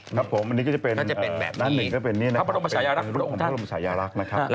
ครับผมอันนี้ก็จะเป็นแบบนี้ก็จะเป็นรูปของพระรมชายรักษณ์นะครับ